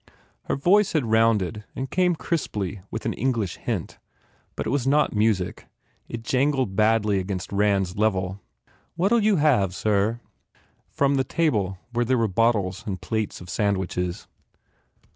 Her voice had rounded and came crisply with an English hint. But it was not music. It jangled badly against Rand s level, "What ll you have, sir?" from the table where there were bottles and plates of sandwiches.